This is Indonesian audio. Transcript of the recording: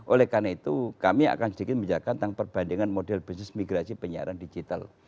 oleh karena itu kami akan sedikit menjelaskan tentang perbandingan model bisnis migrasi penyiaran digital